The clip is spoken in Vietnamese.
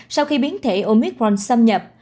sau khi biến thể omicron xâm nhập